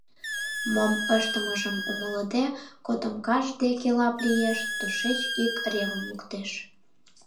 Мом ыштымыжым умылыде, котомкаж деке лап лиеш, тушеч ик ревым луктеш.